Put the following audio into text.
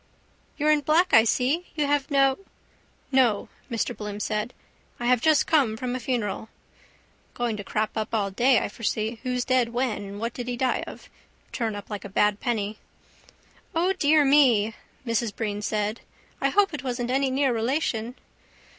—You're in black, I see. You have no... —No, Mr Bloom said. I have just come from a funeral. Going to crop up all day, I foresee. Who's dead, when and what did he die of? Turn up like a bad penny. —O, dear me, Mrs Breen said. I hope it wasn't any near relation.